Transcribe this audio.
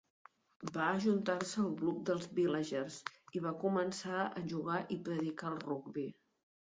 Va ajuntar-se al club dels Villagers i va començar a jugar i predicar el rugbi.